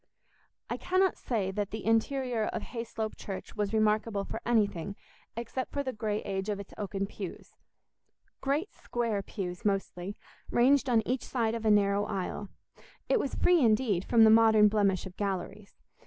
I cannot say that the interior of Hayslope Church was remarkable for anything except for the grey age of its oaken pews—great square pews mostly, ranged on each side of a narrow aisle. It was free, indeed, from the modern blemish of galleries.